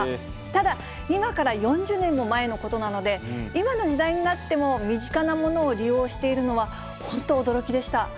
ただ、今から４０年も前のことなので、今の時代になっても、身近なものを利用しているのは、本当、驚きでした。